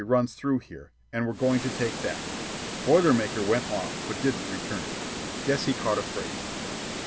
runs through here, and we're going to take that. Boiler Maker went off, but didn't return. Guess he caught a freight.